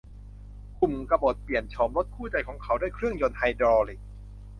กลุ่มกบฏเปลี่ยนโฉมรถรถคู่ใจของเขาด้วยเครื่องยนต์ไฮดรอลิค